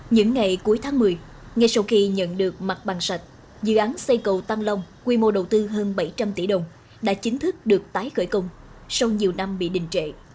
những ngày cuối tháng một mươi ngay sau khi nhận được mặt bằng sạch dự án xây cầu tam long quy mô đầu tư hơn bảy trăm linh tỷ đồng đã chính thức được tái khởi công sau nhiều năm bị đình trệ